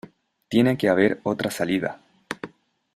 Tiene que haber otra salida.